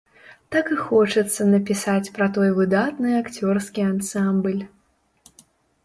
Так і хочацца напісаць пра той выдатны акцёрскі ансамбль.